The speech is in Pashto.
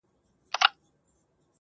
په ځان وهلو باندې خپل غزل ته رنگ ورکوي~